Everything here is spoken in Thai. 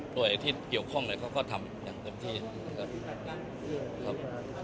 ตัวเอกที่เกี่ยวข้องก็ทำอย่างเต็มที่นะครับ